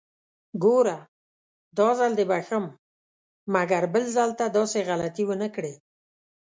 ګوره! داځل دې بښم، مګر بل ځل ته داسې غلطي ونکړې!